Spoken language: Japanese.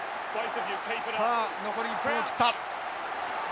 さあ残り１分を切った。